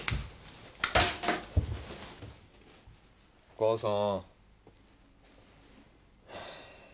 お母さん